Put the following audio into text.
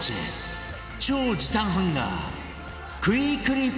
超時短ハンガークイクリップ！